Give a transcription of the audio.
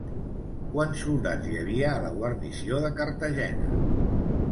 Quants soldats hi havia a la guarnició de Cartagena?